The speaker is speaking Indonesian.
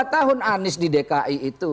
dua tahun anies di dki itu